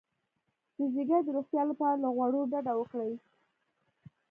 د ځیګر د روغتیا لپاره له غوړو ډډه وکړئ